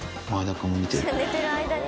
寝てる間に。